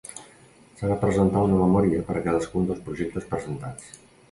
S'ha de presentar una memòria per a cadascun dels projectes presentats.